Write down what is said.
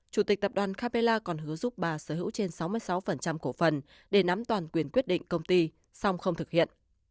chủ tịch tập đoàn capella còn hứa giúp bà sở hữu trên sáu mươi sáu cổ phần để nắm toàn quyền quyết định công ty song không thực hiện